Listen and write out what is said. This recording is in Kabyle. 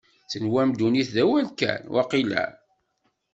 Tenwam ddunit d awal kan, waqila?